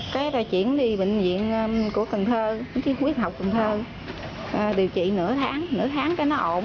cái là chuyển đi bệnh viện của cần thơ quyết học cần thơ điều trị nửa tháng nửa tháng cho nó ổn